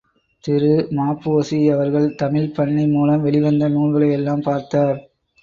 திரு ம.பொ.சி.அவர்கள் தமிழ்ப்பண்ணை மூலம் வெளிவந்த நூல்களை எல்லாம் பார்த்தார்.